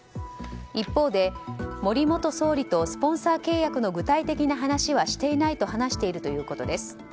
一方で森元総理とスポンサー契約の具体的な話はしていないと話しているということです。